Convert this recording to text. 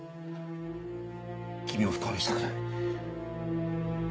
君を不幸にしたくない。